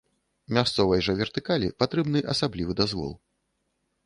Мясцовай жа вертыкалі патрэбны асаблівы дазвол.